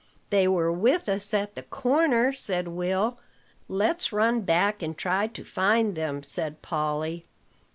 "They were with us at the corner," said Will. "Let's run back, and try to find them," said Polly.